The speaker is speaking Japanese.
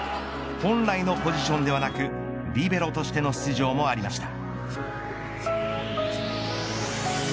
本来のポジションではなくリベロとしての出場もありました。